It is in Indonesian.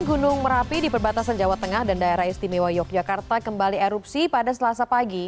gunung merapi di perbatasan jawa tengah dan daerah istimewa yogyakarta kembali erupsi pada selasa pagi